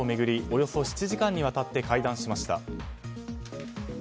およそ７時間にわたって会談しました。